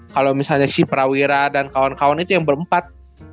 kalau misalnya si prawira dan kawan kawan itu yang berempat